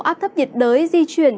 áp thấp nhiệt đới di chuyển